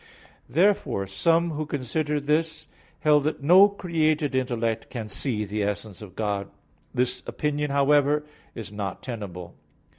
Therefore some who considered this, held that no created intellect can see the essence of God. This opinion, however, is not tenable.